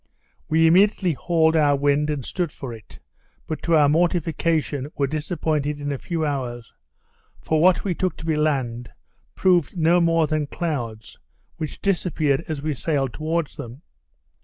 We immediately hauled our wind and stood for it, but to our mortification were disappointed in a few hours; for, what we took to be land, proved no more than clouds, which disappeared as we sailed towards them.